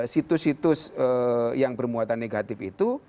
situs situs yang bermuatan negatif itu